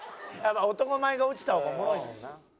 男前が落ちた方がおもろいもんな。